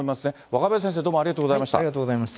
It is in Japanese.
若林先生、どうもありがとうございました。